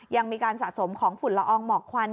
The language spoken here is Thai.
ยังมีการสะสมของฝุ่นละอองหมอกควัน